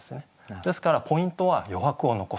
ですからポイントは「余白を残す」。